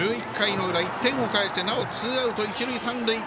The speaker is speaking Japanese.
１１回の裏の１点を返してなおツーアウト一塁三塁。